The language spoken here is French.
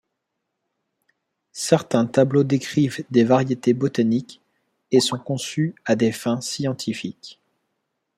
Certains tableaux décrivent des variétés botaniques et sont conçus à des fins scientifiques.